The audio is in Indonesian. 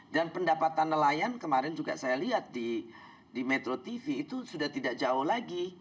dan pendapatan nelayan kemarin juga saya lihat di metro tv itu sudah tidak jauh lagi